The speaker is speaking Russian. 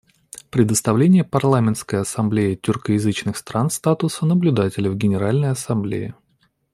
Предоставление Парламентской ассамблее тюркоязычных стран статуса наблюдателя в Генеральной Ассамблее.